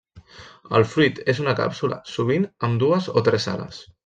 El fruit és una càpsula, sovint amb dues o tres ales.